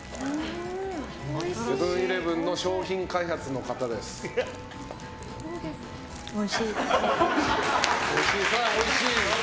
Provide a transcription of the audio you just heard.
セブン‐イレブンの商品開発の方です。